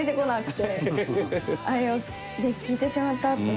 あれを聞いてしまった。